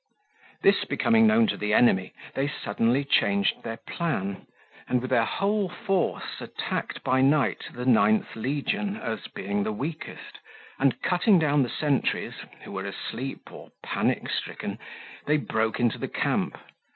26 This becoming known to the enemy, they suddenly changed their plan, and with their whole force attacked by night the ninth Legion, as being the weakest, and cutting down the sentries, who were asleep or panic stricken, they broke into the camp.